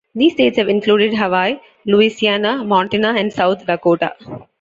These states have included Hawaii, Louisiana, Montana, and South Dakota.